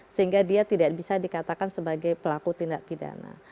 sehingga dia tidak bisa dikatakan sebagai pelaku tindak pidana